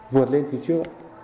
vượt lên phía trước